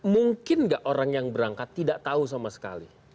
mungkin nggak orang yang berangkat tidak tahu sama sekali